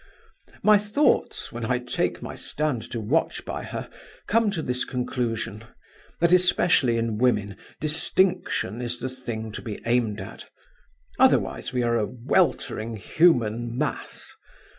My thoughts, when I take my stand to watch by her, come to this conclusion, that, especially in women, distinction is the thing to be aimed at. Otherwise we are a weltering human mass.